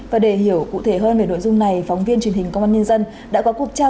và để hiểu cụ thể hơn về nội dung này phóng viên truyền hình công an nhân dân đã có cuộc trao